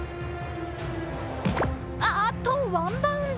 ああっと、ワンバウンド。